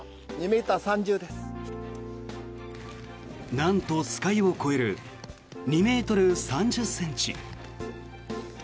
なんと酸ケ湯を超える２ｍ３０ｃｍ。